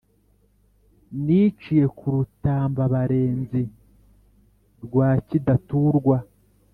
niciye ku rutambabarenzi rwa kidaturwa